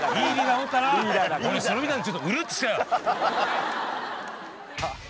俺それ見たらちょっとうるっとしたよ。